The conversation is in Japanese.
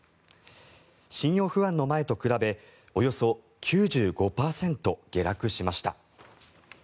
信用不安の前と比べおよそ９５％下落しました。